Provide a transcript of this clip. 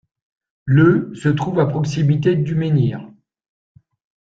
Le se trouve à proximité du menhir.